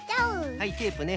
はいテープね。